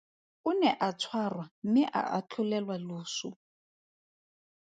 O ne a tshwarwa mme a atlholelwa loso.